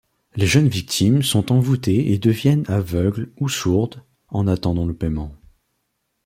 Les jeunes victimes sont envoutées et deviennent aveugles ou sourdes, en attendant le paiement.